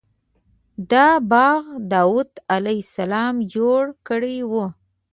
دا باغ داود علیه السلام جوړ کړی و.